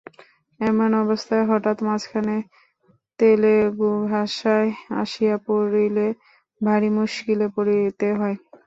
এমন অবস্থায় হঠাৎ মাঝখানে তেলেগু ভাষা আসিয়া পড়িলে ভারি মুশকিলে পড়িতে হয়।